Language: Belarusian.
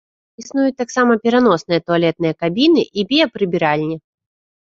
Існуюць таксама пераносныя туалетныя кабіны і біяпрыбіральні.